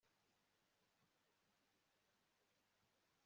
amategeko igamije kubafasha kurangiza